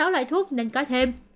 sáu loại thuốc nên có thêm